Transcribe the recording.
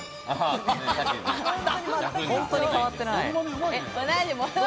本当に変わってない。